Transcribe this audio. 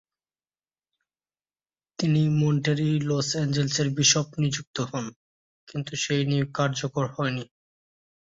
তিনি মন্টেরি-লস অ্যাঞ্জেলেসের বিশপ নিযুক্ত হন, কিন্তু সেই নিয়োগ কার্যকর হয়নি।